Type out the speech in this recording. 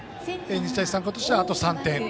日大三高としては、あと３点。